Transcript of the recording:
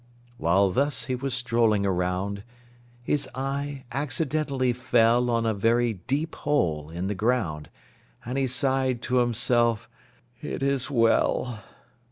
While thus he was strolling around, His eye accidentally fell On a very deep hole in the ground, And he sighed to himself, "It is well!"